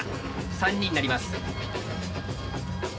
３人になります。